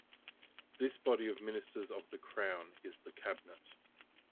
This body of ministers of the Crown is the Cabinet.